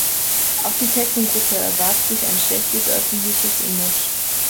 Auch die Tectum-Gruppe erwarb sich ein schlechtes öffentliches Image.